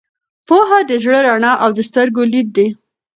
پوهه د زړه رڼا او د سترګو لید دی.